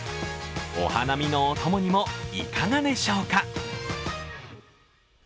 お花見のお供にも、いかがでしょうか。